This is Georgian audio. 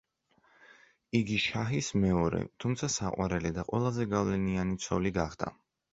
იგი შაჰის მეორე, თუმცა საყვარელი და ყველაზე გავლენიანი ცოლი გახდა.